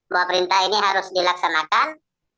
bahwa perintah ini harus dilaksanakan